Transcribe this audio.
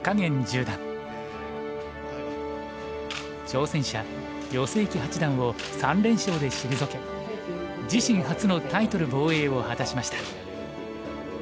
挑戦者余正麒八段を３連勝で退け自身初のタイトル防衛を果たしました。